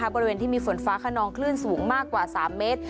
บริเวณที่มีฝนฟ้าขนองคลื่นสูงมากกว่า๓เมตร